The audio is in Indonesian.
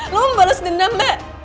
lo bales dendam mbak